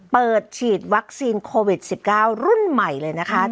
เปิดฉีดวัคซีนโควิดสิบเก้ารุ่นใหม่เลยนะคะอืม